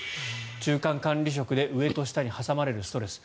中間管理職で上と下に挟まれるストレス